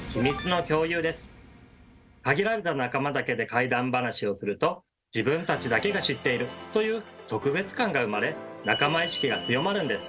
限られた仲間だけで怪談ばなしをすると「自分たちだけが知っている」という特別感が生まれ仲間意識が強まるんです。